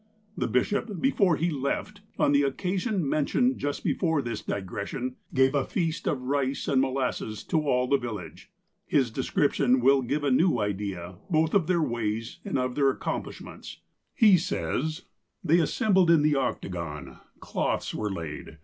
The bishop, before he left, on the occasion mentioned just before this digression, gave a feast of rice and mo lasses to all the village. His description will give a new idea, both of their ways, and of their accomxjlishments. He says : "They assembled in the octagon. Cloths were laid.